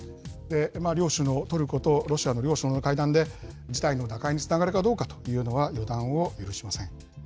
両首脳、トルコとロシアの両首脳の会談で、事態の打開につながるかどうかというのは、予断を許しません。